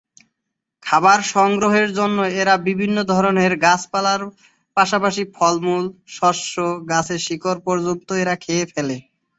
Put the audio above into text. খাবার সংগ্রহের জন্য এরা বিভিন্ন ধরনের গাছপালার পাশাপাশি ফলমূল, শস্য, গাছের শিকড় পর্যন্ত এরা খেয়ে ফেলে।